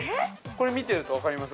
◆これ見ていると分かります？